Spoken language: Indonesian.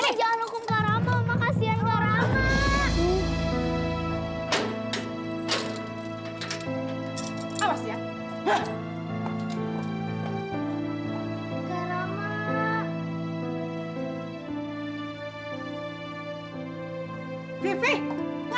oma jangan ngukum kak rama oma kasian kak rama